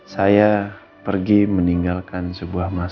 saya pergi meninggalkan sebuah masalah